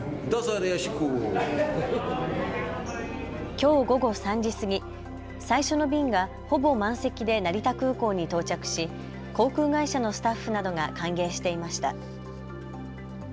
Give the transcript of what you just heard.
きょう午後３時過ぎ、最初の便がほぼ満席で成田空港に到着し航空会社のスタッフなどが歓迎していました。